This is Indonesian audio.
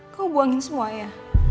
kamu buangin semua ya